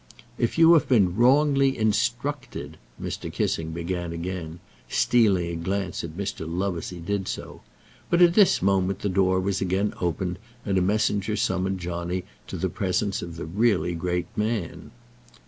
"If you have been wrongly instructed, " Mr. Kissing began again, stealing a glance at Mr. Love as he did so; but at this moment the door was again opened, and a messenger summoned Johnny to the presence of the really great man.